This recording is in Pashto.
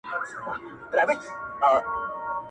د خوارانو لاس به درسي تر ګرېوانه-